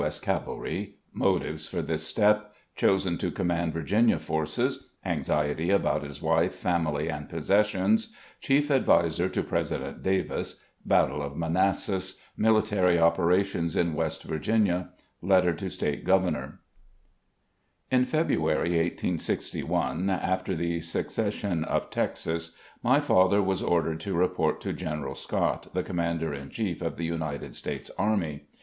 S. CAVALRY — MOTIVES FOR THIS STEP — CHOSEN TO COMMAND VIR GINIA FORCES — ANXIETY ABOUT HIS WIPE, FAMILY AND POSSESSIONS — CHIEF ADVISER TO PRESIDENT DAVIS — BATTLE OP MANASSAS — ^MILITARY OPERATIONS IN WEST VIRGINIA — LETTER TO STATE GOVERNOR In February, i86i, after the secession of Texas, my father was ordered to report to General Scott, the Commander in Chief of the United States Army.